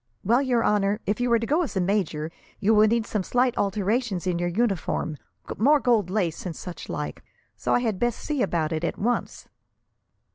"Well, your honour, if you are to go as a major, you will need some slight alterations in your uniform more gold lace, and such like. So I had best see about it, at once."